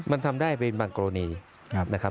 มันทำได้เป็นบางกรณีนะครับ